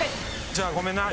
じゃあごめんな。